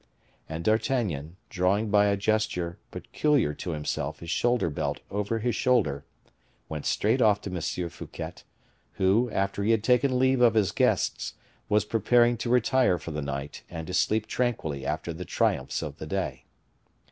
And D'Artagnan, drawing by a gesture peculiar to himself his shoulder belt over his shoulder, went straight off to M. Fouquet, who, after he had taken leave of his guests, was preparing to retire for the night and to sleep tranquilly after the triumphs of the day.